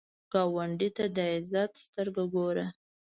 ګاونډي ته د عزت سترګو ګوره